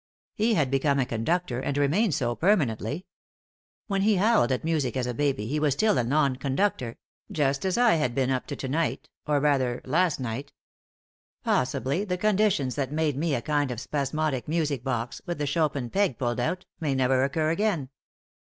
He had become a conductor, and remained so permanently. When he howled at music as a baby he was still a non conductor just as I had been up to to night or rather last night. Possibly, the conditions that made me a kind of spasmodic music box, with the Chopin peg pulled out, may never occur again.